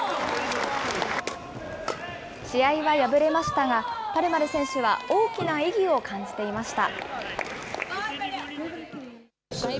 試合は敗れましたが、パルマル選手は大きな意義を感じていました。